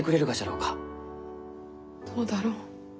どうだろう。